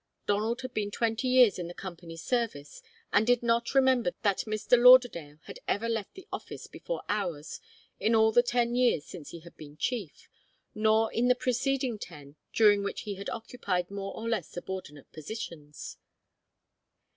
Donald had been twenty years in the Company's service, and did not remember that Mr. Lauderdale had ever left the office before hours in all the ten years since he had been chief, nor in the preceding ten during which he had occupied more or less subordinate positions.